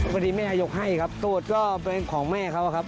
พอดีแม่ยกให้ครับตรวจก็เป็นของแม่เขาครับ